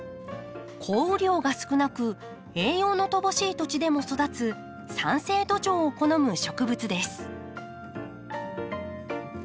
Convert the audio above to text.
降雨量が少なく栄養の乏しい土地でも育つ酸性土壌を好む植物です。